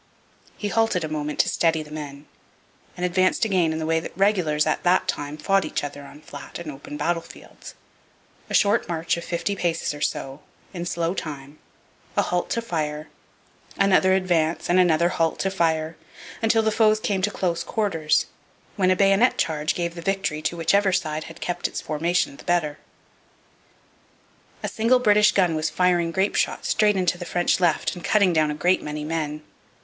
He halted a moment, to steady the men, and advanced again in the way that regulars at that time fought each other on flat and open battlefields: a short march of fifty paces or so, in slow time, a halt to fire, another advance and another halt to fire, until the foes came to close quarters, when a bayonet charge gave the victory to whichever side had kept its formation the better. A single British gun was firing grape shot straight into the French left and cutting down a great many men.